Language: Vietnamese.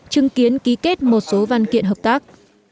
chứng kiến ký kết một số văn kiện hợp tác